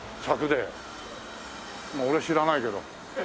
まあ俺は知らないけど。